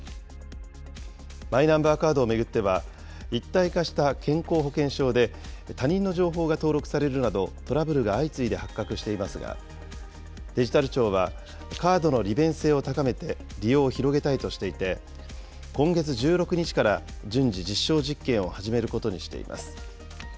マイナンバーカードを巡っては、一体化した健康保険証で、他人の情報が登録されるなど、トラブルが相次いで発覚していますが、デジタル庁は、カードの利便性を高めて利用を広げたいとしていて、今月１６日から順次、実証実験を始めることにしています。